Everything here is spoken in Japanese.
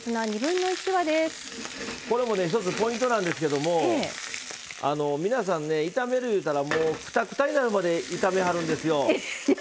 これも一つポイントなんですけど皆さん、炒めるいうたらくたくたになるまで炒めはるんですよ。